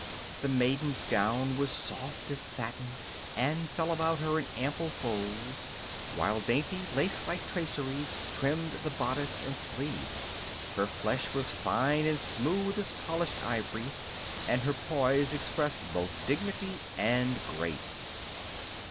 The maiden's gown was soft as satin and fell about her in ample folds, while dainty lace like traceries trimmed the bodice and sleeves. Her flesh was fine and smooth as polished ivory, and her poise expressed both dignity and grace.